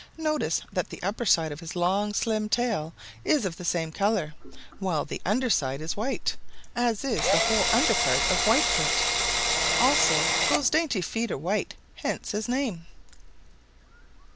Notice that the upper side of his long slim tail is of the same color, while the under side is white, as is the whole under part of Whitefoot. Also those dainty feet are white, hence his name.